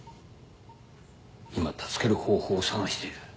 今助ける方法を探している。